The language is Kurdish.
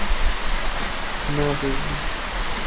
Tu nabezî.